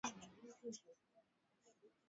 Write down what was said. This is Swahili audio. Tarehe kumi na nne mwezi wa kumi na mbili